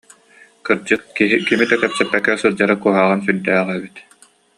Кырдьык, киһи кими да кытта кэпсэппэккэ сылдьара куһаҕана сүрдээх эбит